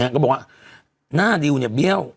ก็บอกว่าหน้าดิวเนี่ยเบี้ยว